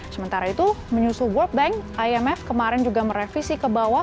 sementara itu menyusul world bank imf kemarin juga merevisi ke bawah